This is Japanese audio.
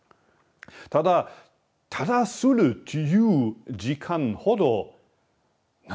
ただただする自由時間ほど何ていうかな